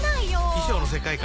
衣装の世界観